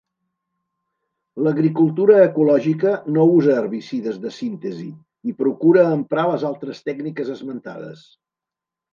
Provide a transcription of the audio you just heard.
L'agricultura ecològica no usa herbicides de síntesi i procura emprar les altres tècniques esmentades.